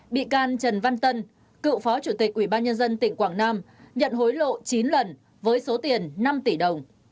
bị can trần văn tân cựu phó chủ tịch ubnd tp quảng nam nhận hối lộ chín lần với số tiền năm tỷ đồng